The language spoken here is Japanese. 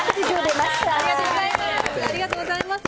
ありがとうございます。